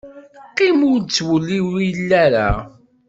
Qqim ur ttewliwil ara.